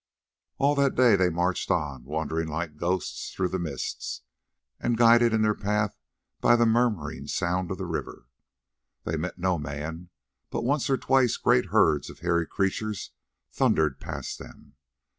All that day they marched on, wandering like ghosts through the mist, and guided in their path by the murmuring sound of the river. They met no man, but once or twice great herds of hairy creatures thundered past them.